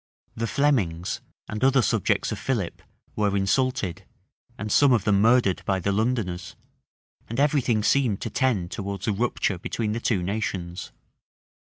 The Flemings, and other subjects of Philip, were insulted, and some of them murdered by the Londoners; and every thing seemed to tend towards a rupture between the two nations.